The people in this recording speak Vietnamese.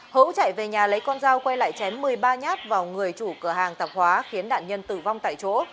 hữu chạy về nhà lấy con dao quay lại chém một mươi ba nhát vào người chủ cửa hàng tạp hóa khiến nạn nhân tử vong tại chỗ